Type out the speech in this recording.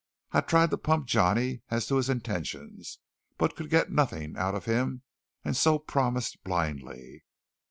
I tried to pump Johnny as to his intentions, but could get nothing out of him; and so promised blindly.